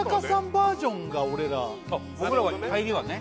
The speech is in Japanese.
バージョンが俺ら僕らは入りはね